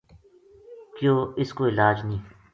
کہیو ات اس کو علاج نیہہ